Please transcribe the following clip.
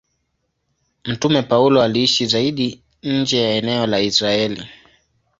Mtume Paulo aliishi zaidi nje ya eneo la Israeli.